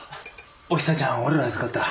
おひさちゃんは俺らが預かった。